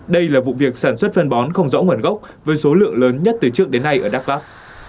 đây là vụ việc sản xuất phân bón không rõ nguồn gốc với số lượng lớn nhất từ trước đến nay ở đắk lắc